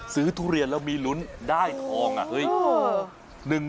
ซื้อทุเรียนแล้วมีรุ้นได้ทอง